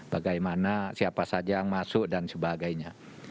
bagaimana siapa saja yang masuk dan sebagainya